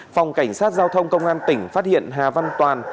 phòng cảnh sát giao thông công an tỉnh phát hiện hà văn toàn